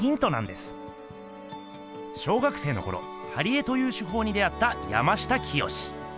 小学生のころ貼り絵という手法に出会った山下清。